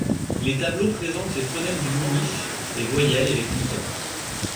Les tableaux présentent les phonèmes du muniche, les voyelles et les consonnes.